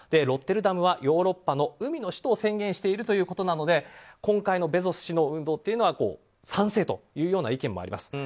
ロッテルダムはヨーロッパの海の首都を宣言しているということなので今回のベゾス氏に賛成という意見もあります。